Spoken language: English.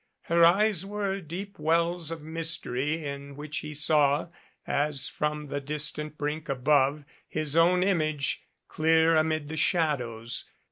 Her eyes were deep wells of mystery, in which he saw, as from the distant brink above, his own image, clear amid the shadows.